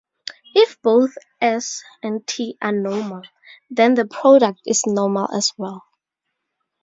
If both "S" and "T" are normal, then the product is normal as well.